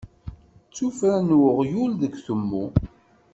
D tuffra n uɣyul deg utemmu.